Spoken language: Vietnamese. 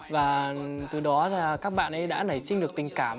và từ đó các bạn ấy đã nảy sinh được tình cảm